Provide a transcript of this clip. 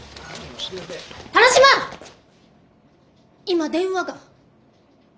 今電話が。